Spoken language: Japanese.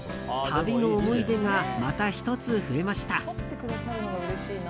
旅の思い出がまた１つ増えました。